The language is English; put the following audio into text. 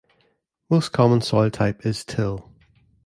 Most common soil type is till.